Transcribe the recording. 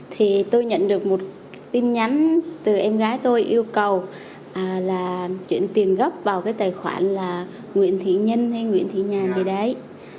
thì tôi nhận được một tin nhắn từ em gái tôi yêu cầu là chuyển tiền gốc vào cái tài khoản là nguyễn thị nhân hay nguyễn thị nhàn gì đấy